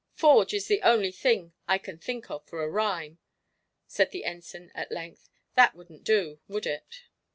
"'Forge' is the only thing I can think of for a rhyme," said the Ensign, at length; "that wouldn't do, would it?"